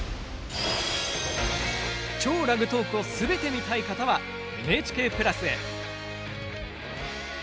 超ラグトークをすべて見たい方はＮＨＫプラスへ。